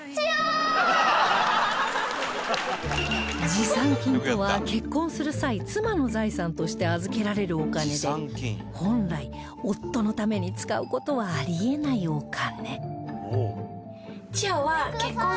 持参金とは結婚する際妻の財産として預けられるお金で本来夫のために使う事はあり得ないお金